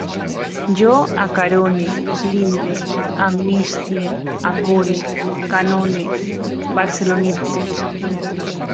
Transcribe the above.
Jo acarone, blinde, amnistie, acore, canone, barcelonitze